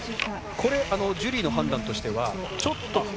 ジュリーの判断としてはちょっと。